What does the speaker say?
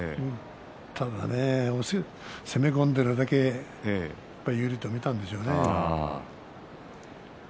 ただね、攻め込んでいるだけに有利だと見たのでしょうね。